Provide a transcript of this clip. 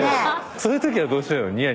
そういうときはどうしてるの？